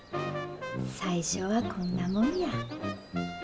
最初はこんなもんや。